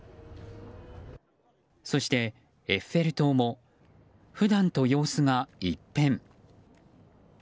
そして、エッフェル塔も普段と様子が一変。